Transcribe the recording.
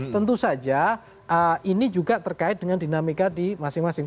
tentu saja ini juga terkait dengan dinamika di masing masing